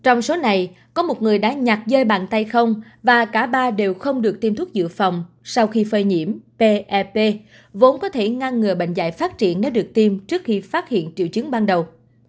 trong số này có một người đã nhạt dơi bàn tay không và cả ba đều không được tiêm thuốc dự phòng sau khi phơi nhiễm pep vốn có thể ngăn ngừa bệnh dạy phát triển nếu được tiêm trước khi phát hiện triệu chứng ban đầu